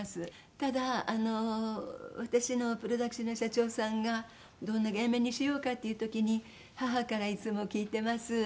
ただあの私のプロダクションの社長さんがどんな芸名にしようかっていう時に母からいつも聞いてます